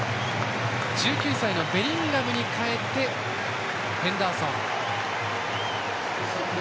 １９歳のベリンガムに代えてヘンダーソン。